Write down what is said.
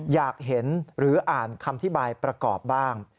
อยากเห็นหรืออ่านคำอธิบายประกอบบ้าง